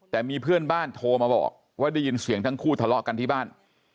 แต่มีเพื่อนบ้านโทรมาบอกว่าได้ยินเสียงทั้งคู่ทะเลาะกันที่บ้าน